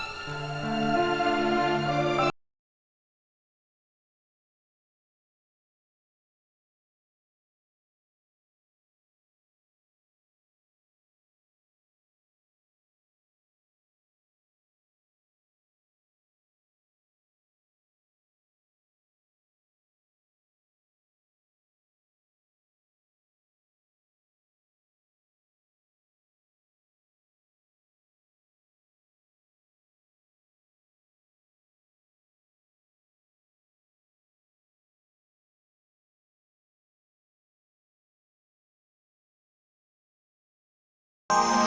kalau bener bener iqbal yang jalin andin